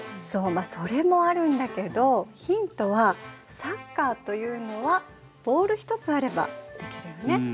そうそれもあるんだけどヒントはサッカーというのはボール一つあればできるよね？